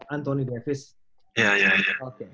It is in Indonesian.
anthony davis ya ya